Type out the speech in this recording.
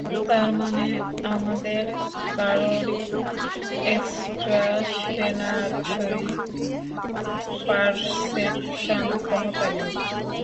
তার মানে, আমাদের কারোরই এক্সটা সেনাসরি পারসেপশান ক্ষমতা নেই।